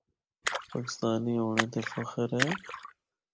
پاکستانی ہونڑے تے فخر اے۔